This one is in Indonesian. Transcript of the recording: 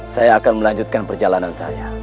saya akan melanjutkan perjalanan saya